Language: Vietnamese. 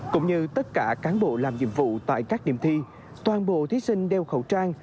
cũng như tất cả cán bộ làm nhiệm vụ tại các điểm thi toàn bộ thí sinh đeo khẩu trang